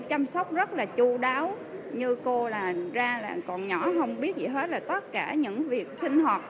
chăm sóc rất là chú đáo như cô là ra là còn nhỏ không biết gì hết là tất cả những việc sinh hoạt